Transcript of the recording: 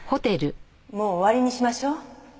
もう終わりにしましょう。